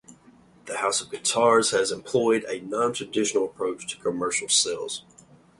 The House of Guitars has employed a non-traditional approach to commercial sales.